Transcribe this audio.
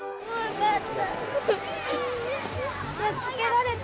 やっつけられた？